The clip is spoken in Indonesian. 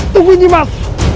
tunggu ini mas